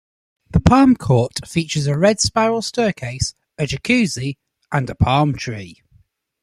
The palm court features a red spiral staircase, a jacuzzi, and a palm tree.